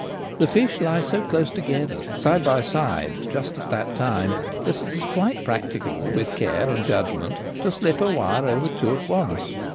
The fish lie so close together — side by side just at that time — that it is quite practic able, with care and judgment, to slip a wire over two at once.